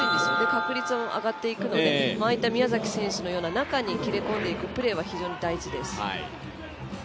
確率も上がっていくので宮崎選手のような中に切り込んでいくプレーは非常に大事です。